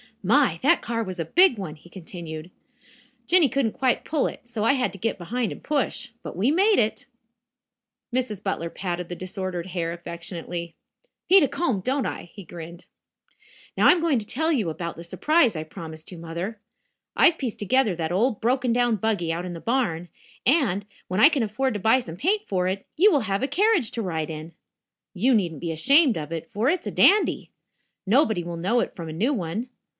"My, that car was a big one," he continued. "Jinny couldn't quite pull it, so I had to get behind and push. But we made it." Mrs. Butler patted the disordered hair affectionately. "Need a comb, don't I?" he grinned. "Now, I am going to tell you about the surprise I promised you, Mother. I've pieced together that old broken down buggy out in the barn, and, when I can afford to buy some paint for it, you will have a carriage to ride in. You needn't be ashamed of it, for it's a dandy. Nobody will know it from a new one.